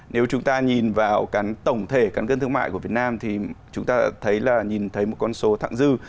nếu chúng ta nhìn vào tổng thể căn cước thương mại của việt nam thì chúng ta thấy là nhìn thấy một con số thẳng dư